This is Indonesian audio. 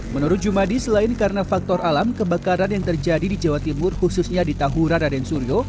menurut jumadi selain karena faktor alam kebakaran yang terjadi di jawa timur khususnya di tahura raden suryo